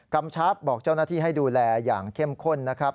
กำชับบอกเจ้าหน้าที่ให้ดูแลอย่างเข้มข้นนะครับ